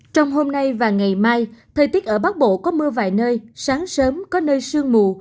trong hôm nay và ngày mai thời tiết ở bắc bộ có mưa vài nơi sáng sớm có nơi sương mù